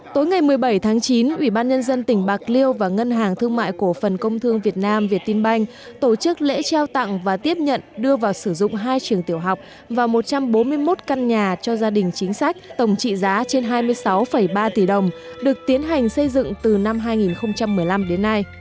tối ngày một mươi bảy tháng chín ủy ban nhân dân tỉnh bạc liêu và ngân hàng thương mại cổ phần công thương việt nam việt tinh banh tổ chức lễ trao tặng và tiếp nhận đưa vào sử dụng hai trường tiểu học và một trăm bốn mươi một căn nhà cho gia đình chính sách tổng trị giá trên hai mươi sáu ba tỷ đồng được tiến hành xây dựng từ năm hai nghìn một mươi năm đến nay